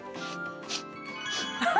ハハハ！